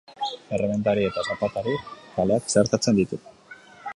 Errementari eta Zapatari kaleak zeharkatzen ditu.